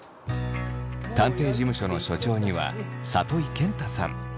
探偵事務所の所長には佐戸井けん太さん。